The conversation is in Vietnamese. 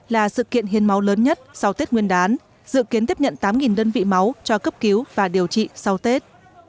là sự kiện hiến máu lớn nhất sau tết nguyên đán dự kiến tiếp nhận tám đơn vị máu cho cấp cứu và điều trị sau tết